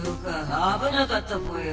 あぶなかったぽよ。